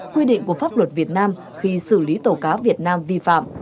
quy định của pháp luật việt nam khi xử lý tàu cá việt nam vi phạm